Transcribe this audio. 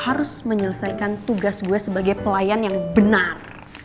harus menyelesaikan tugas gue sebagai pelayan yang benar